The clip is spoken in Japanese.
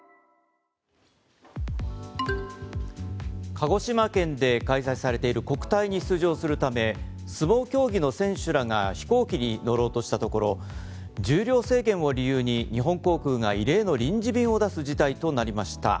鹿児島県で開催されている国体に出場するため相撲競技の選手らが飛行機に乗ろうとしたところ重量制限を理由に日本航空が異例の臨時便を出す事態となりました。